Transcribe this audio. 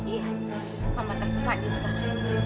iya mama telfon fadil sekarang